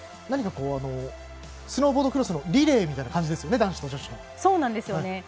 何かスノーボードクロスのリレーみたいな感じですよね